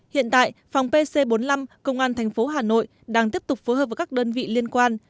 hiện tại phòng pc bốn mươi năm công an tp hà nội đang tiếp tục phối hợp với các đơn vị liên quan